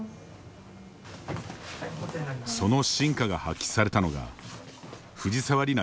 その真価が発揮されたのが藤沢里菜